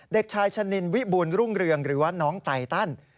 เด็กชายชะนินวิบูรณรุ่งเรืองหรือว่าน้องไตตัน